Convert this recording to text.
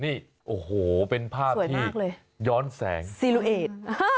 นี่โอ้โหเป็นภาพที่ย้อนแสงสวยมากเลยสีลูเอต